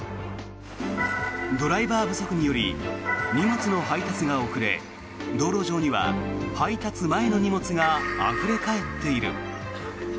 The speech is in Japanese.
ドライバー不足により荷物の配達が遅れ道路上には配達前の荷物があふれ返っている。